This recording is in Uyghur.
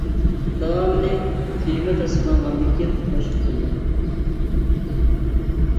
داۋامىنى تېما تەستىقلانغاندىن كېيىن قوشۇپ قويىمەن.